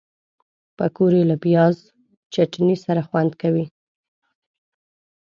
پکورې له پیاز چټني سره خوند کوي